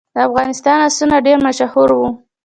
د افغانستان آسونه ډیر مشهور وو